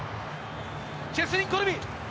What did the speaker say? チェスリン・コルビ。